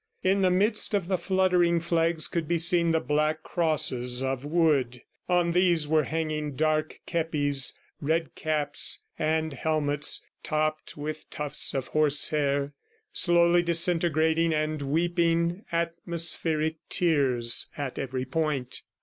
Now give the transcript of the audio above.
In the midst of the fluttering flags could be seen the black crosses of wood. On these were hanging dark kepis, red caps, and helmets topped with tufts of horsehair, slowly disintegrating and weeping atmospheric tears at every point.